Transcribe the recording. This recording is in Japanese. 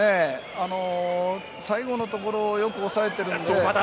最後のところよく抑えているので。